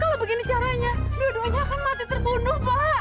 kalau begini caranya dua duanya akan mati terbunuh pak